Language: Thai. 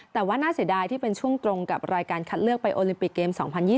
แต่ว่าน่าเสียดายที่เป็นช่วงตรงกับรายการคัดเลือกไปโอลิมปิกเกม๒๐๒๐